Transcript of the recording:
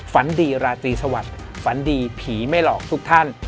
ฝันดีราตรีสวัสดิ์ฝันดีผีไม่หลอกทุกท่าน